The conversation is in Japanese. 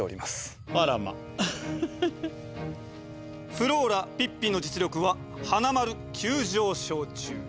「フローラピッピの実力は花丸急上昇中。